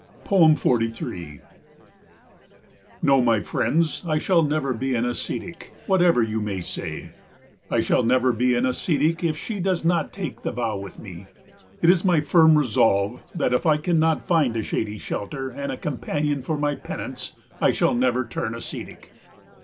43 No, my friends, I shall never be an ascetic, whatever you may say. I shall never be an ascetic if she does not take the vow with me. It is my firm resolve that if I cannot find a shady shelter and a companion for my penance, I shall never turn ascetic.